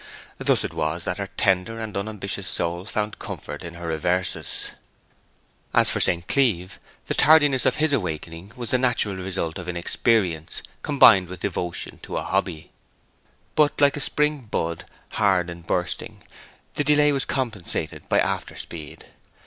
Thus it was that her tender and unambitious soul found comfort in her reverses. As for St. Cleeve, the tardiness of his awakening was the natural result of inexperience combined with devotion to a hobby. But, like a spring bud hard in bursting, the delay was compensated by after speed.